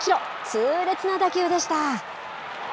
痛烈な打球でした。